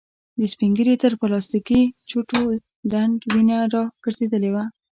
د سپين ږيري تر پلاستيکې چوټو ډنډ وينه را ګرځېدلې وه.